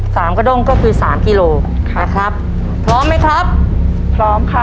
กระด้งก็คือสามกิโลค่ะนะครับพร้อมไหมครับพร้อมค่ะ